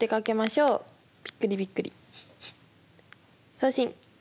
送信。